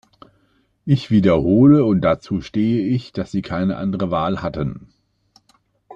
Ich wiederhole – und dazu stehe ich –, dass sie keine andere Wahl hatten.